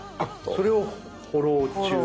それをフォロー中。